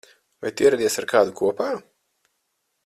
Vai tu ieradies ar kādu kopā?